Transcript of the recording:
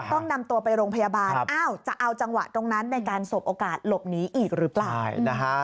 ต้องนำตัวไปโรงพยาบาลอ้าวจะเอาจังหวะตรงนั้นในการสบโอกาสหลบหนีอีกหรือเปล่า